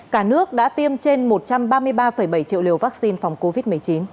cả nước đã tiêm trên một trăm ba mươi ba bảy triệu liều vaccine phòng covid một mươi chín